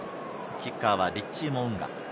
キッカーはリッチー・モウンガ。